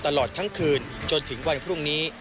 ตลอดทั้งคืนจนถึงวันพรุ่งนี้